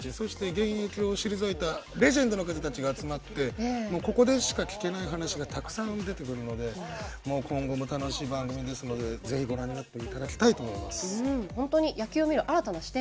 現役を退いたレジェンドの方たちが集まってここでしか聞けない話がたくさん出てくるので今後も楽しい番組ですのでぜひご覧になっていただきたいと思います。